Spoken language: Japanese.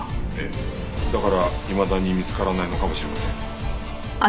だからいまだに見つからないのかもしれません。